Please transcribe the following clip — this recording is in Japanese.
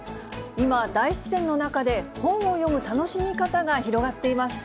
今、大自然の中で本を読む楽しみ方が広がっています。